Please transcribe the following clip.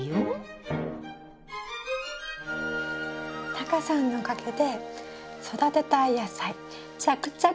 タカさんのおかげで育てたい野菜着々と作ってます。